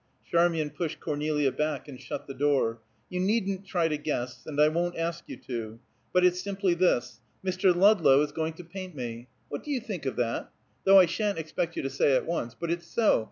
Charmian pushed Cornelia back and shut the door. "You needn't try to guess, and I won't ask you to. But it's simply this: Mr. Ludlow is going to paint me. What do you think of that? Though I sha'n't expect you to say at once. But it's so.